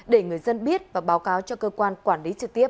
để người dân biết và báo cáo cho cơ quan quản lý trực tiếp